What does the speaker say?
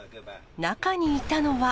中にいたのは。